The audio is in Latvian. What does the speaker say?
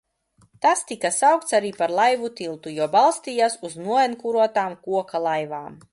Tas tika saukts arī par Laivu tiltu, jo balstījās uz noenkurotām koka laivām.